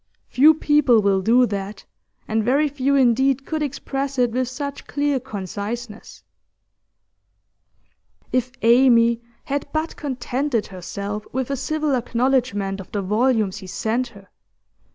Few people will do that, and very few indeed could express it with such clear conciseness.' If Amy had but contented herself with a civil acknowledgment of the volumes he sent her!